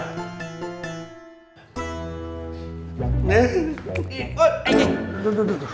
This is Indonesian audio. tunggu tunggu tunggu